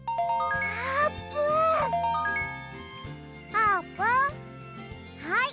あーぷんはい。